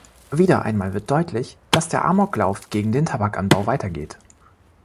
Wieder einmal wird deutlich, dass der Amoklauf gegen den Tabakanbau weitergeht.